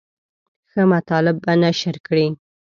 ښه مطالب به نشر کړي.